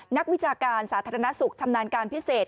นักวิชาการสาธารณสุขชำนาญการพิเศษ